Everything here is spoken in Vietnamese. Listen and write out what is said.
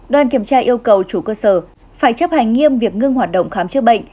đoàn kiểm tra yêu cầu chủ cơ sở phải chấp hành nghiêm việc ngưng hoạt động khám chữa bệnh